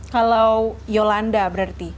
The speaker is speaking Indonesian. kalau yolanda berarti